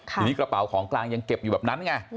ทีนี้กระเป๋าของกลางยังเก็บอยู่แบบนั้นไง